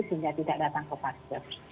sehingga tidak datang ke paskes